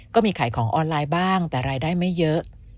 ขายของออนไลน์บ้างแต่รายได้ไม่เยอะ